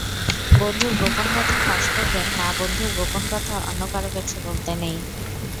বন্ধুর গোপন কথা ফাঁস করবেন নাবন্ধুর গোপন কথা অন্য কারও কাছে বলতে নেই।